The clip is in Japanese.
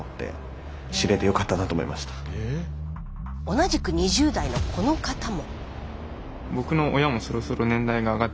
同じく２０代のこの方も。